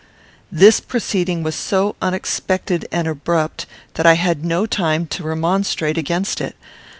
This proceeding was so unexpected and abrupt, that I had no time to remonstrate against it.